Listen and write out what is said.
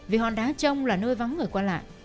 vì hòn đá trông là nơi vắng người quan lạc